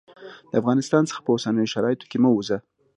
د افغانستان څخه په اوسنیو شرایطو کې مه ووزه.